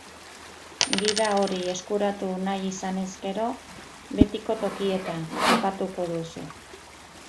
Gida hori eskuratu nahi izanez gero, betiko tokietan topatuko duzu.